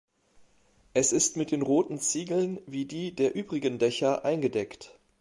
Es ist mit den roten Ziegeln wie die der übrigen Dächer eingedeckt.